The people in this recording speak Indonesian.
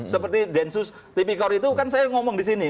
seperti densus tipikor itu kan saya ngomong disini